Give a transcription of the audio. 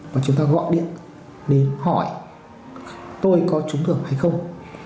và chúng ta gọi điện đến hỏi tôi có trúng thưởng hay không